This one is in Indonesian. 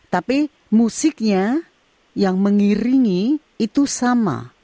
tapi musiknya yang mengiringi itu sama